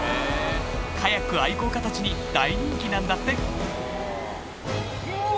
カヤック愛好家たちに大人気なんだってうわ